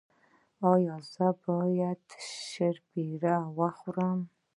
ایا زه باید شیرپیره وخورم؟